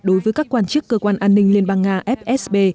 đối với các quan chức cơ quan an ninh liên bang nga fsb